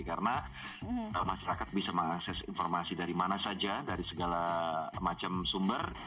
karena masyarakat bisa mengakses informasi dari mana saja dari segala macam sumber